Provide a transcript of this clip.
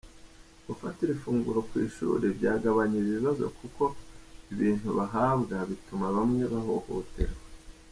Gufatira ifunguro ku ishuri byagabanya ibi bibazo kuko ibintu bahabwa bituma bamwe bahohoterwa.